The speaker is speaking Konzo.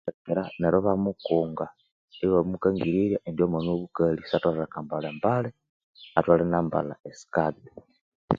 Bakamubirikira neru ibamukunga ibamukangirirya indi omwana owobukali satholere akambalha embali atholere inambalha esikati